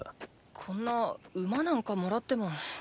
こんな馬なんかもらっても。